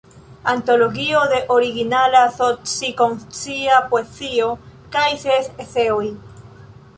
Antologio de originala soci-konscia poezio kaj ses eseoj.